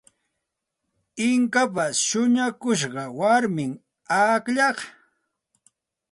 Inkapa shuñakushqan warmim akllaqa.